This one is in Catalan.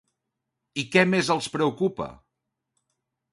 I què més els preocupa?